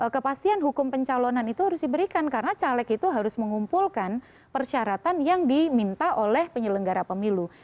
kepastian hukum pencalonan itu harus diberikan karena caleg itu harus mengumpulkan persyaratan yang diminta oleh penyelenggara pemilu